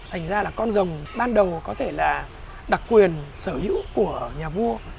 thành ra là con rồng ban đầu có thể là đặc quyền sở hữu của nhà vua